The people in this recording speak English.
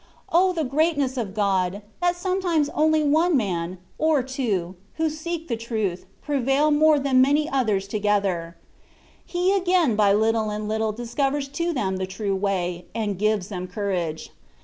O ! the greatness of God, that sometimes only one man, or two, who seek the truth, prevail more than many others together; He again by little and little discovers to them the true way, and gives them courage.